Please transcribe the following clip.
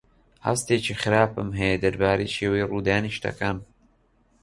هەستێکی خراپم هەیە دەربارەی شێوەی ڕوودانی شتەکان.